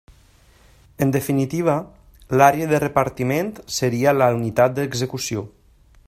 En definitiva, l'àrea de repartiment seria la unitat d'execució.